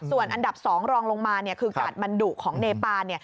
ส่วนอันดับ๒รองลงมาคือกาดมันดุของเนปาน